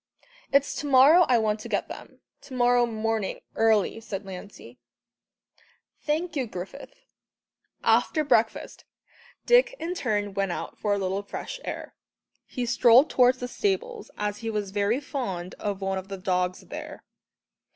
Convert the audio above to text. "It's to morrow I want to get them to morrow morning early," said Lancey. "Thank you, Griffith." After breakfast, Dick in turn went out for a little fresh air he strolled towards the stables, as he was very fond of one of the dogs there.